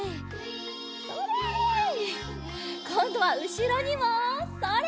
こんどはうしろにもそれ！